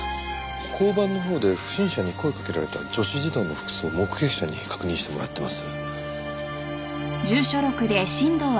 交番のほうで不審者に声をかけられた女子児童の服装を目撃者に確認してもらってます。